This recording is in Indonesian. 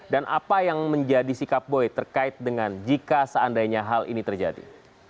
dan apa yang menjadi sikap boy terkait dengan jika seandainya hal ini terjadi